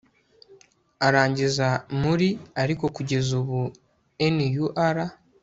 arangiza muri ariko kugeza ubu nur